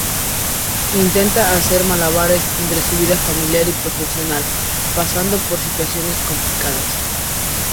Intenta hacer malabares entre su vida familiar y profesional, pasando por situaciones complicadas.